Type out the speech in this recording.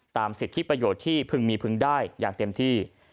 สิทธิประโยชน์ที่พึงมีพึงได้อย่างเต็มที่